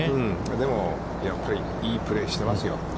でも、やっぱり、いいプレーしてますよ。